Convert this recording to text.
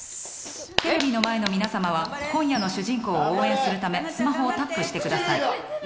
テレビの前の皆さまは今夜の主人公を応援するためスマホをタップしてください。